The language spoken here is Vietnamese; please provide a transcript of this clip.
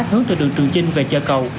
hướng từ đường trường chinh về chợ cầu